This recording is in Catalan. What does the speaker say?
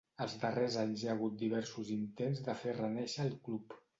Els darrers anys hi ha hagut diversos intents de fer renéixer el club.